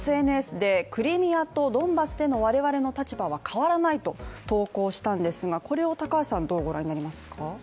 ＳＮＳでクリミアとドンバスでの我々の立場は変わらないと投稿したんですがこれを高橋さん、どう御覧になりますか。